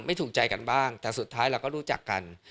ถูกใจกันบ้างแต่สุดท้ายเราก็รู้จักกัน